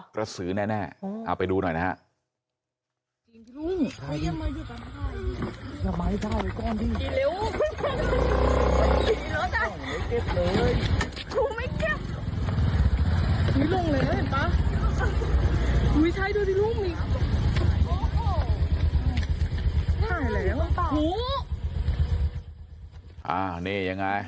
กระสือแน่เอาไปดูหน่อยนะฮะ